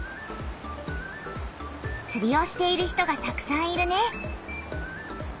つりをしている人がたくさんいるね。